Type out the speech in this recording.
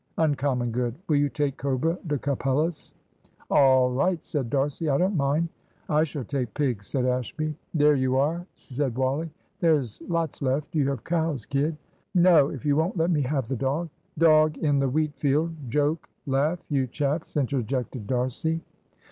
"Uncommon good. Will you take cobra de capellos?" "Ah right," said D'Arcy; "I don't mind." "I shall take pigs," said Ashby. "There you are," said Wally; "there's lots left. You have cows, kid " "No if you won't let me have the dog " "Dog in the Wheatfield. Joke! laugh, you chaps," interjected D'Arcy.